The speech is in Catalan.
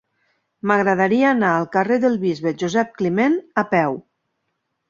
M'agradaria anar al carrer del Bisbe Josep Climent a peu.